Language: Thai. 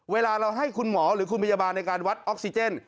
เวลาเราให้คุณหมอหรือคุณพยาบาลในการวัดออกซิเจน